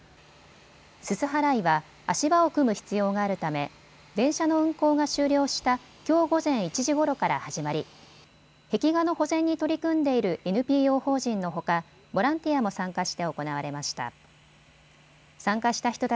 すす払いは足場を組む必要があるため電車の運行が終了したきょう午前１時ごろから始まり壁画の保全に取り組んでいるＮＰＯ法人のほか、ボランティアも参加して行われました。